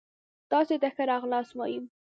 تاسي ته ښه را غلاست وايو